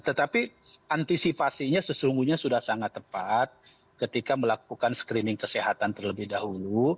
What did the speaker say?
tetapi antisipasinya sesungguhnya sudah sangat tepat ketika melakukan screening kesehatan terlebih dahulu